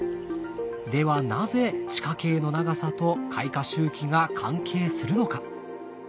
ではなぜ地下茎の長さと開花周期が関係するのか？